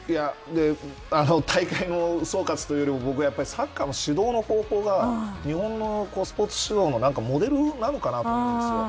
大会の総括というよりも僕はサッカーの指導の方法が日本のスポーツ指導のモデルなのかなと思うんです。